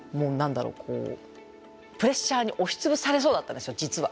プレッシャーに押しつぶされそうだったんですよ実は。